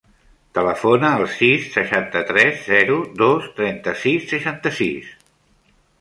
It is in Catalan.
Telefona al sis, seixanta-tres, zero, dos, trenta-sis, seixanta-sis.